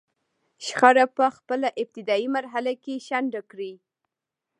شخړه په خپله ابتدايي مرحله کې شنډه کړي.